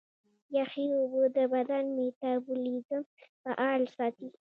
یخي اوبه د بدن میتابولیزم فعاله ساتي.